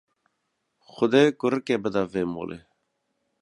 Xwedê kurikê bide vê malê.